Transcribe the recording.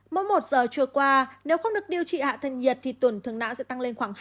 mỗi một giờ trôi qua nếu không được điều trị hạ thân nhiệt thì tuần thường nã sẽ tăng lên khoảng hai mươi